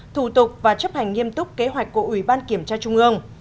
thủ tục và chấp hành nghiêm túc kế hoạch của ủy ban kiểm tra trung ương